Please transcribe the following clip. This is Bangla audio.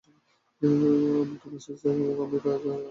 আম্মুকে মেসেজ দাও যে আমি আজ যাবো না।